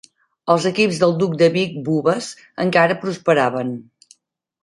Els equips del Duc de Vic Bubas encara prosperaven.